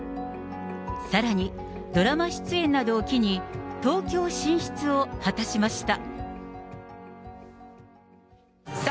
さらに、ドラマ出演などを機に、東京進出を果たしました。